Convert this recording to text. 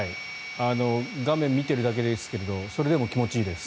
画面見ているだけですがそれだけでも気持ちいいです。